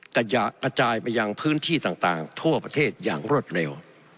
กระจายไปยังพื้นที่ต่างทั่วประเทศอย่างรวดเร็ว